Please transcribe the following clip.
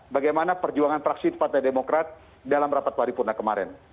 bagaimana perjuangan praksi partai demokrat dalam rapat paripurna kemarin